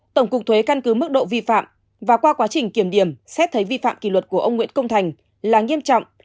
tổng cục thuế căn cứ mức độ vi phạm và qua quá trình kiểm điểm xét thấy vi phạm kỳ luật của ông nguyễn công thành là nghiêm trọng